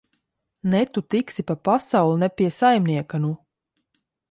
Ne tu tiksi pa pasauli, ne pie saimnieka, nu!